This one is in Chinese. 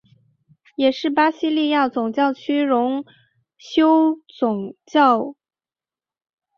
也是巴西利亚总教区荣休总主教。